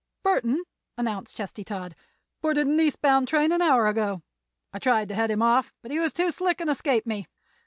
"Burthon," announced Chesty Todd, "boarded an east bound train an hour ago. I tried to head him off, but he was too slick and escaped me.